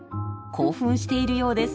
興奮しているようです。